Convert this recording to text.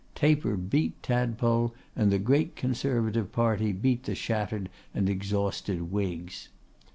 Taper beat Tadpole; and the great Conservative party beat the shattered and exhausted Whigs.